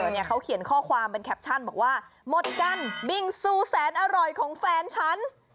เนี่ยเขาเขียนข้อความเป็นแคปชั่นบอกว่าหมดกันบิงซูแสนอร่อยของแฟนฉัน